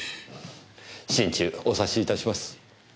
心中お察し致します。